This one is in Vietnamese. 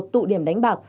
một tụ điểm đánh bạc